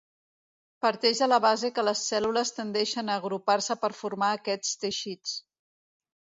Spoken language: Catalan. Parteix de la base que les cèl·lules tendeixen a agrupar-se per formar aquests teixits.